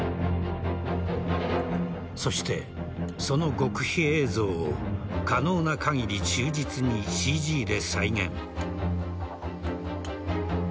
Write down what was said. そして、その極秘映像を可能な限り忠実にＣＧで再現。